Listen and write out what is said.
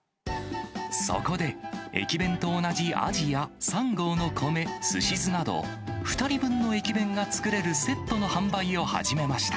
そこで、駅弁と同じあじや３合の米、すし酢など、２人分の駅弁が作れるセットの販売を始めました。